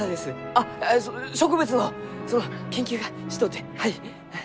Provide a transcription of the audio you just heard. あっ植物のその研究がしとうてはい。